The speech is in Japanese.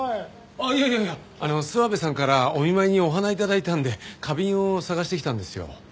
あっいやいやいや諏訪部さんからお見舞いにお花頂いたんで花瓶を探してきたんですよ。